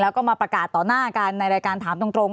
แล้วก็มาประกาศต่อหน้ากันในรายการถามตรง